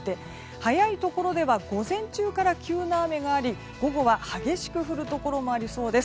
早いところでは午前中から急な雨があり午後は激しく降るところもありそうです。